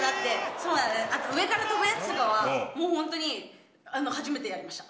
そうだね、あと上からとぶやつとかはもう本当に、初めてやりました。